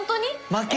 負け！